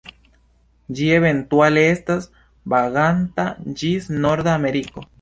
Ĝi eventuale estas vaganta ĝis Norda Ameriko.